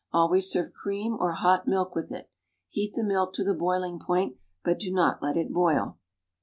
Always serve cream or hot milk with it. Heat the milk to the boiling point, but do not let it boil.